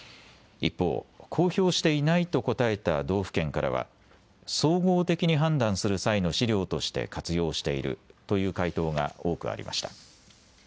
一方、公表していないと答えた道府県からは総合的に判断する際の資料として活用しているという回答が多くありました。